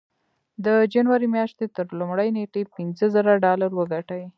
د جنوري مياشتې تر لومړۍ نېټې پينځه زره ډالر وګټئ.